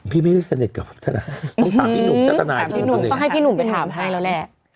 พี่ไม่ได้สนิทกับทนายต้องตามพี่หนุ่มทนายตัวเองตัวเองต้องให้พี่หนุ่มไปถามให้เราแหละ